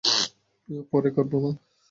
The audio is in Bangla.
পরে করবো, মা।